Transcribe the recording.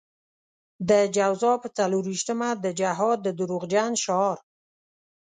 د جوزا په څلور وېشتمه د جهاد د دروغجن شعار.